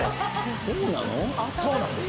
そうなんです。